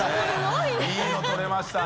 いいの撮れましたね